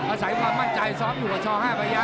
อาศัยความมั่นใจซ้อมอยู่กับช๕ระยะ